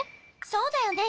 そうだよね。